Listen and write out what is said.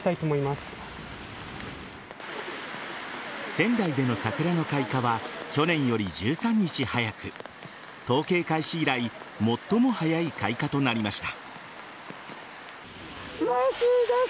仙台での桜の開花は去年より１３日早く統計開始以来最も早い開花となりました。